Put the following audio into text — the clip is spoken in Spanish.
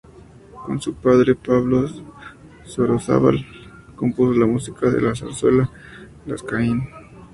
Con su padre Pablo Sorozábal compuso la música de la zarzuela "Las de Caín".